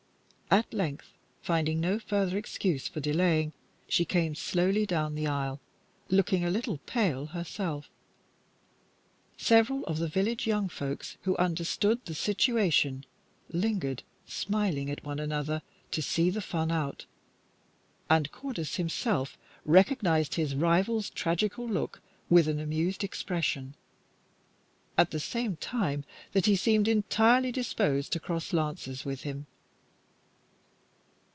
At length, finding no further excuse for delaying, she came slowly down the aisle, looking a little pale herself. Several of the village young folks who understood the situation lingered, smiling at one other, to see the fun out, and Cordis himself recognized his rival's tragical look with an amused expression, at the same time that he seemed entirely disposed to cross lances with him.